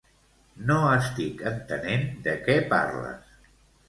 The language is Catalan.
No estic entenent de què parles.